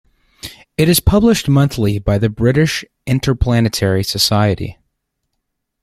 It is published monthly by the British Interplanetary Society.